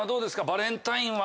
バレンタインは。